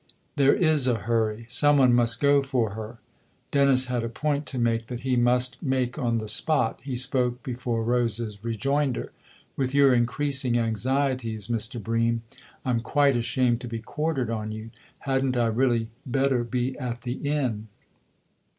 " There is a hurry. Some one must go for her." Dennis had a point to make that he must make on the spot. He spoke before Rose's rejoinder. " With your increasing anxieties, Mr. Bream, I'm quite ashamed to be quartered on you. Hadn't I really better be at the inn